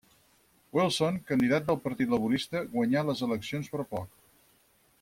Wilson, candidat pel Partit Laborista, guanyà les eleccions per poc.